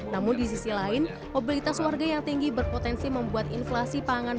namun di sisi lain mobilitas warga yang tinggi berpotensi membuat inflasi pangan